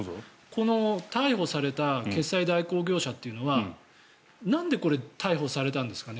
この逮捕された決済代行業者というのはなんで、これ逮捕されたんですか？